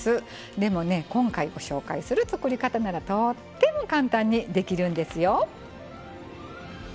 でも今回、ご紹介する作り方ならとっても簡単にできるんですよ。